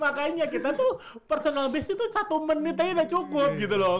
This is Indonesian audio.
makanya kita tuh personal base itu satu menit aja udah cukup gitu loh